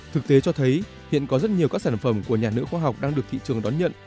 thực tế cho thấy hiện có rất nhiều các sản phẩm của nhà nước khoa học đang được thị trường đón nhận